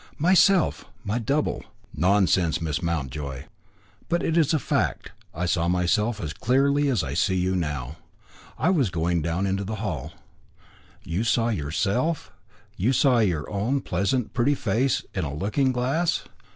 "Myself my double." "Nonsense, Miss Mountjoy." "But it is a fact. I saw myself as clearly as I see you now. I was going down into the hall." "You saw yourself! You saw your own pleasant, pretty face in a looking glass."